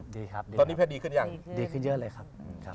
ดีครับดีครับดีครับดีขึ้นเยอะเลยครับ